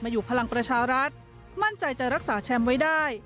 อยู่พลังประชารัฐมั่นใจจะรักษาแชมป์ไว้ได้